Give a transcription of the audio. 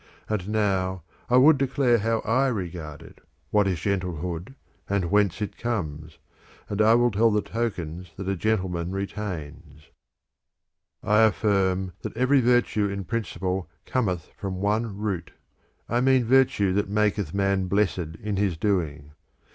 And now I would declare how I regard it, what is gentlehood and whence it comes ; and I will tell the tokens that a gentleman retains. p 286 THE CONVIVIO V I affirm that every virtue in principle cometh from one root, I mean virtue that maketh man blessed in his doing.